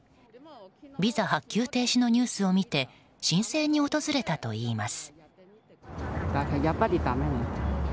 ビザ発給停止のニュースを見て申請に訪れたといいます。